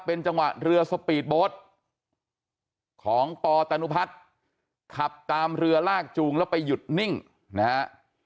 เป็นจังหวะเรือสปีดโบ๊ทของปตนุพัฒน์ขับตามเรือลากจูงแล้วไปหยุดนิ่งนะฮะ